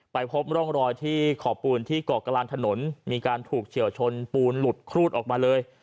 พบร่องรอยที่ขอบปูนที่เกาะกลางถนนมีการถูกเฉียวชนปูนหลุดครูดออกมาเลย